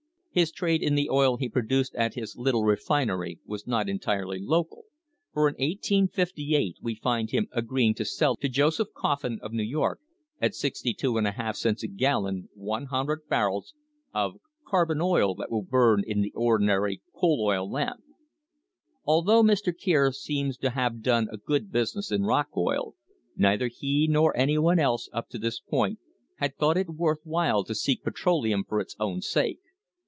His trade in the oil he produced at his little refinery was not entirely local, for in 1858 we find him agreeing to sell to Joseph Coffin of New York at 62^ cents a gallon 100 barrels of "carbon oil that will burn in the ordinary coal oil lamp." Although Mr. Kier seems to have done a good business in rock oil, neither he nor any one else up to this point had thought it worth while to seek petroleum for its own sake.